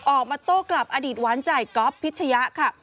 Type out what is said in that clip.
โต้กลับอดีตหวานใจก๊อฟพิชยะค่ะ